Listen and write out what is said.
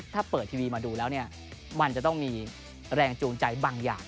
ถ้าเปิดทีวีมาดูแล้วเนี่ยมันจะต้องมีแรงจูงใจบางอย่าง